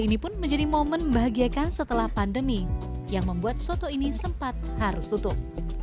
ini pun menjadi momen membahagiakan setelah pandemi yang membuat soto ini sempat harus tutup